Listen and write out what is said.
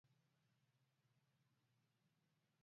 Rinda limeoshwa